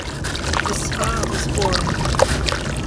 The spa was born.